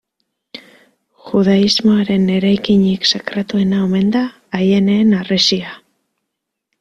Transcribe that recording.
Judaismoaren eraikinik sakratuena omen da Aieneen Harresia.